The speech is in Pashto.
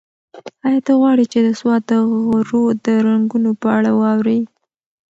ایا ته غواړې چې د سوات د غرو د رنګونو په اړه واورې؟